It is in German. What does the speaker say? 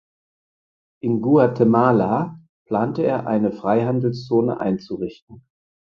In Guatemala plante er eine Freihandelszone einzurichten.